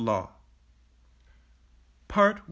LAW PART I.